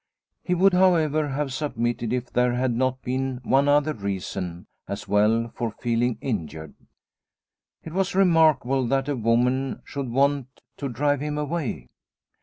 He would, however, have submitted if there had not been one other reason as well for feeling injured. It was remarkable that a woman should want to drive him away.